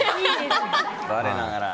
我ながら。